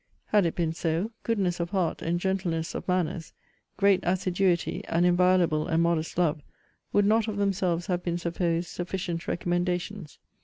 Had it been so, goodness of heart, and gentleness of manners, great assiduity, and inviolable and modest love, would not of themselves have been supposed sufficient recommendations.